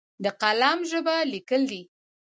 د قلم ژبه لیکل دي!